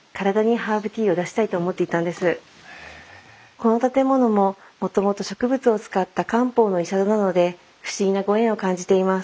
この建物ももともと植物を使った漢方の医者殿なので不思議なご縁を感じています。